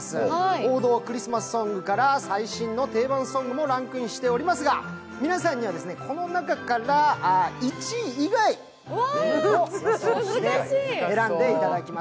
王道のクリスマスソングから最新のクリスマスソングもランクインしておりますが、皆さんにはこの中から１位以外を予想して選んでいただきます。